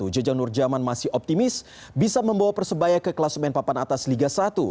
jajang nurjaman masih optimis bisa membawa persebaya ke kelas main papan atas liga satu